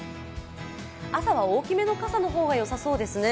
朝は大きめの傘の方がよさそうですね。